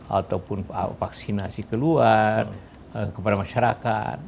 ataupun vaksinasi keluar kepada masyarakat